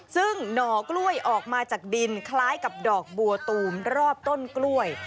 ซึ่งหน่อกล้วยออกมาจากดินคล้ายกับดอกบัวตูมรอบต้นกล้วย